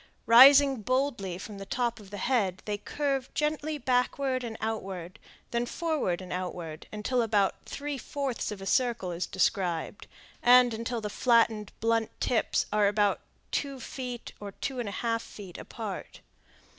Rising boldly from the top of the head, they curve gently backward and outward, then forward and outward, until about three fourths of a circle is described, and until the flattened, blunt tips are about two feet or two and a half feet apart.